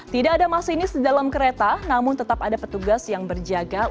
tidak ada masinis di dalam kereta namun tetap ada petugas yang berjaga